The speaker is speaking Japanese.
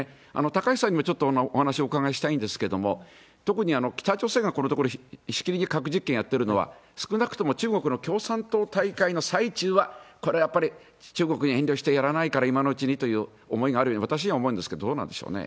高橋さんにもちょっとお話をお伺いしたいんですけれども、特に北朝鮮がこのところ、しきりに核実験やってるのは、少なくとも中国の共産党大会の最中は、これはやっぱり中国に遠慮してやらないから、今のうちにというのがあるように私は思うんですけれども、どうなんでしょうね。